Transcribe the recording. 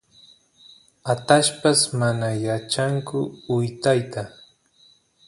atallpas mana yachanku wytayta